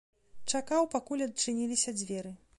Чакаў, пакуль адчыніліся дзверы.